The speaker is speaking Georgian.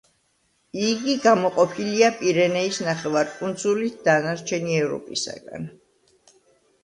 იგი გამოყოფილია პირენეის ნახევარკუნძულით დანარჩენი ევროპისაგან.